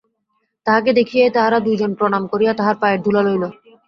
তাঁহাকে দেখিয়াই তাহারা দুইজনে প্রণাম করিয়া তাঁহার পায়ের ধুলা লইল।